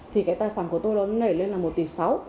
thì cái tài khoản của tôi đó nó nảy lên là một tỷ sáu